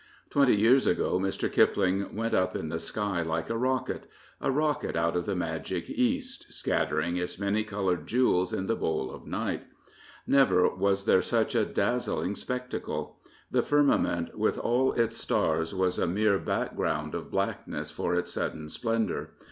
Twenty years ago Mr. Kipling went up in the sky like a rocket — a rocket out of the magic East j^scatter ing its many coloured jewels in the bowl of night| Never was there such a dazzling spectacle. The firmament with all its stars was a mere background of blackness for its sudden splendour.